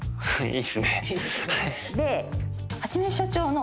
はい。